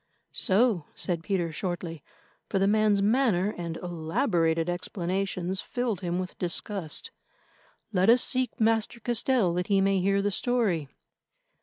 "So!" said Peter shortly, for the man's manner and elaborated explanations filled him with disgust. "Let us seek Master Castell that he may hear the story."